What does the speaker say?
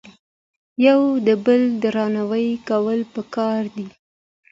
د یو بل درناوی کول په کار دي